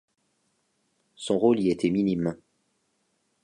Son rôle y était minime.